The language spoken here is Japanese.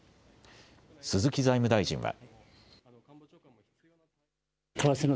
鈴木財務大臣は。